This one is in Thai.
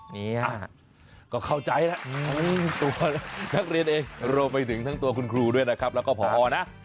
นี่ฮะก็เข้าใจแล้วตัวนักเรียนเองรวมไปถึงทั้งตัวคุณครูด้วยนะครับแล้วก็พอนะ